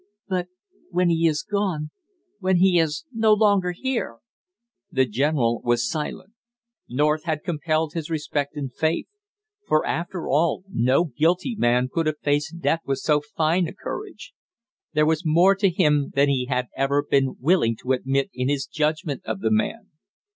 "But when he is gone when he is no longer here " The general was silent. North had compelled his respect and faith; for after all, no guilty man could have faced death with so fine a courage. There was more to him than he had ever been willing to admit in his judgment of the man.